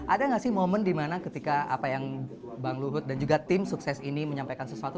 ada nggak sih momen dimana ketika apa yang bang luhut dan juga tim sukses ini menyampaikan sesuatu